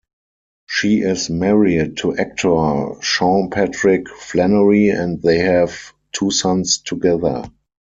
She is married to actor Sean Patrick Flanery and they have two sons together.